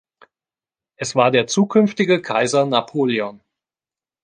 Es war der zukünftige Kaiser Napoleon.